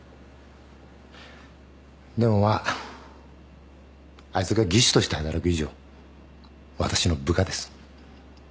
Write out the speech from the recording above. でもまああいつが技師として働く以上私の部下です。